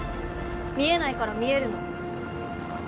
見えないから見えるの。